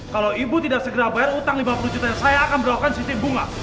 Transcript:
kalau ibu tidak segera bayar utang lima puluh jutaan saya akan berawakan sitip bunga